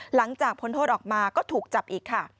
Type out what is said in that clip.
หลังจากพ้นโทษออกมาก็ถูกจับอีกค่ะ